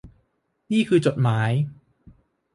นี่คือจดหมาย